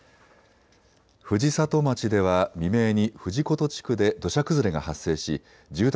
藤里町では未明に藤琴地区で土砂崩れが発生し住宅